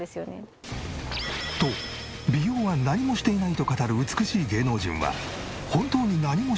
と美容は何もしていないと語る美しい芸能人は。